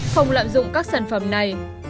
không lạm dụng các sản phẩm này